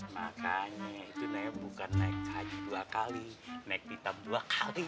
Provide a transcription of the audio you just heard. makanya itu namanya bukan naik haji dua kali naik pita dua kali